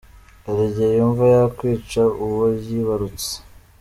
Hari igihe yumva yakwica uwo yibarutse .